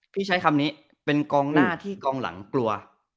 พี่ใช้คำนี้เป็นกองหน้าที่กองหลังกลัว